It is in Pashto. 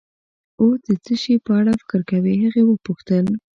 اوس د څه شي په اړه فکر کوې؟ هغې وپوښتل.